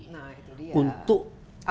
nah itu dia